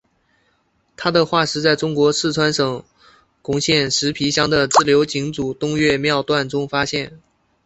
它的化石在中国四川省珙县石碑乡的自流井组东岳庙段中发现。